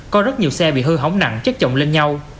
có rất nhiều xe bị hư hỏng nặng chất chồng lên nhau